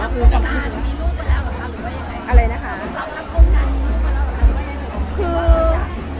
พวกเราเข้าคุมกันมีลูกกันรึเปล่าหรือเปล่า